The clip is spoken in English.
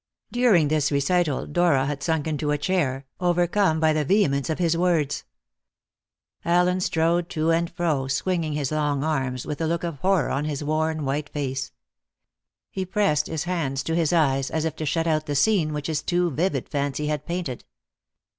During this recital Dora had sunk into a chair, overcome by the vehemence of his words. Allen strode to and fro, swinging his long arms, with a look of horror on his worn, white face. He pressed his hands to his eyes, as if to shut out the scene which his too vivid fancy had painted.